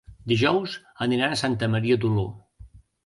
Dijous aniran a Santa Maria d'Oló.